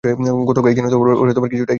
গত কয়েক দিনে ওরা কিছুটা এগিয়েছে।